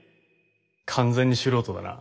完全に素人だな。